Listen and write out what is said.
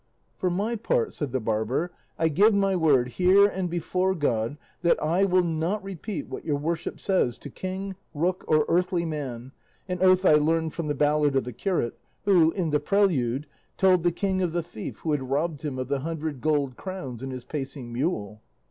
"For my part," said the barber, "I give my word here and before God that I will not repeat what your worship says, to King, Rook or earthly man an oath I learned from the ballad of the curate, who, in the prelude, told the king of the thief who had robbed him of the hundred gold crowns and his pacing mule."